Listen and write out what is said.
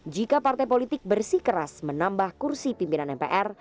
jika partai politik bersih keras menambah kursi pimpinan mpr